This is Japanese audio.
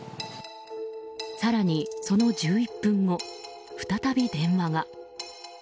更に、その１１分後再び電話が。